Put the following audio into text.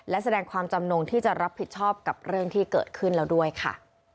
และแสดงความจำนงที่จะรับผิดชอบกับเรื่องที่เกิดขึ้นแล้วด้วยค่ะ